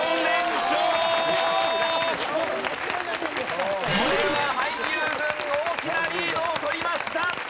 これは俳優軍大きなリードを取りました！